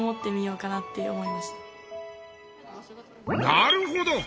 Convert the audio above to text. なるほど！